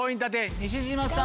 西島さん。